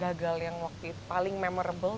kalau titik gagal yang waktu itu paling memorable